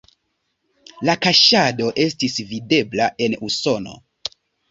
La kaŝado estis videbla en Usono.